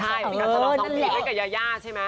ใช่อิกาสาลองน้องพี่อิกายาย่าใช่ไหม